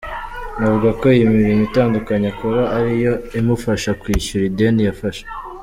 Avuga ko iyo imirimo itandukanye akora ari yo imufasha kwishyura ideni yafashe.